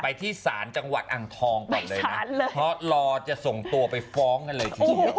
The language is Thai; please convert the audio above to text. ที่ศาลจังหวัดอ่างทองก่อนเลยนะเพราะรอจะส่งตัวไปฟ้องกันเลยทีเดียว